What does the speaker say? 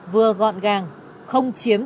vừa gọn gàng không chiếm